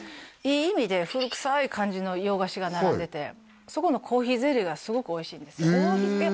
いい意味で古くさい感じの洋菓子が並んでてそこの珈琲ゼリーがすごくおいしいんですへえ